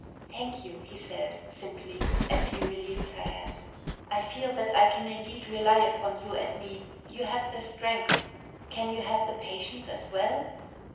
"Thank you," he said, simply, as he released her hands. "I feel that I can indeed rely upon you at need. You have the strength; can you have the patience as well?